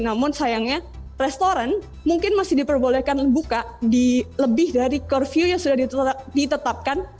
namun sayangnya restoran mungkin masih diperbolehkan buka lebih dari core view yang sudah ditetapkan